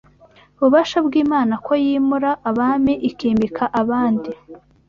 Ububasha bw’Imana Yo yīmura abami ikimika abandi